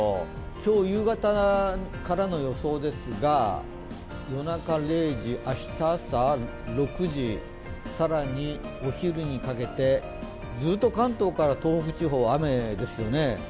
今日夕方からの予想ですが夜中０時、明日朝６時、更にお昼にかけて、ずっと関東から東北地方、雨ですよね。